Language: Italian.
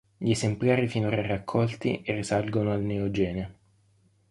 Gli esemplari finora raccolti risalgono al Neogene.